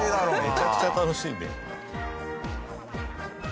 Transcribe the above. めちゃくちゃ楽しいね。